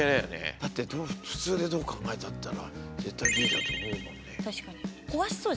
だって普通でどう考えたって絶対Ｂだと思うもんね。